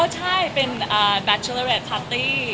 อ๋อใช่เป็นบาชาเลอร์เรทปาร์ตี้